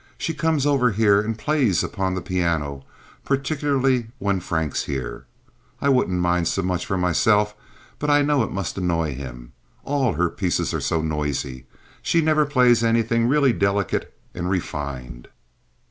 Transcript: She comes over here and plays upon the piano, particularly when Frank's here. I wouldn't mind so much for myself, but I know it must annoy him. All her pieces are so noisy. She never plays anything really delicate and refined."